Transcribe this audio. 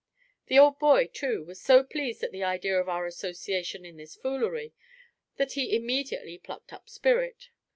The old boy, too, was so pleased at the idea of our association in this foolery that he immediately plucked up spirit.